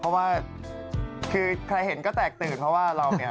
เพราะว่าคือใครเห็นก็แตกตื่นเพราะว่าเราเนี่ย